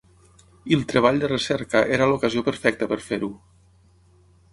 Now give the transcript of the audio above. I el Treball de Recerca era l'ocasió perfecta per fer-ho.